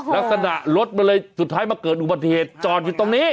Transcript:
ลักษณะรถมันเลยสุดท้ายมาเกิดอุบัติเหตุจอดอยู่ตรงนี้